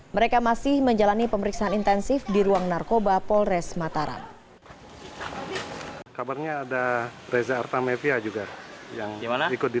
mereka masih menjalani pemeriksaan intensif di ruang narkoba polres mataram